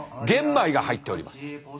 玄米が入っております。